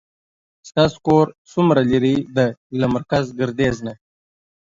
ستاسو کور څومره لری ده له مرکز ګردیز نه